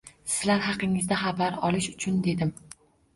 Sizlar haqingizda xabar olish uchun, - dedim